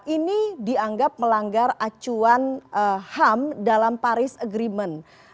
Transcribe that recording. ini dianggap melanggar acuan ham dalam paris agreement